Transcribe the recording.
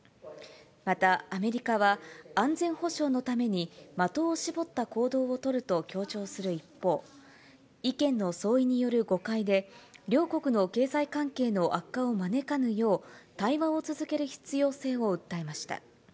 またアメリカは、安全保障のために的を絞った行動を取ると強調する一方、意見の相違による誤解で、両国の経済関係の悪化を招かぬよう、対話を続ける必要性を訴えました。